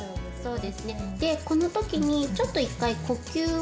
でこの時にちょっと１回呼吸を。